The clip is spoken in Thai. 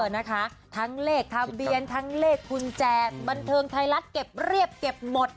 นะคะทั้งเลขทะเบียนทั้งเลขกุญแจบันเทิงไทยรัฐเก็บเรียบเก็บหมด